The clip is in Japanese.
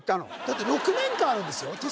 だって６年間あるんですよ